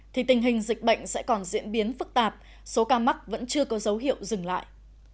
thì tình hình dịch bệnh sẽ còn diễn biến phức tạp số ca mắc vẫn chưa có dấu hiệu dừng lại